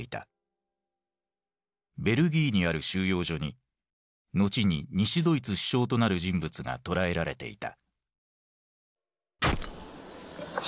ベルギーにある収容所に後に西ドイツ首相となる人物が捕らえられていた。